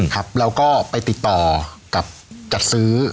ครับเราก็ไปติดต่อกับจัดซื้อ